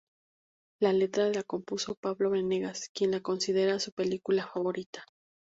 La letra la compuso Pablo Benegas, quien la considera su película favorita.